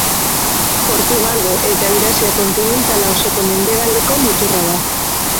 Portugalgo eta Eurasia kontinentala osoko mendebaldeko muturra da.